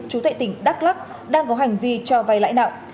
chú tệ tỉnh đắk lắc đang có hành vi cho vay lãi nặng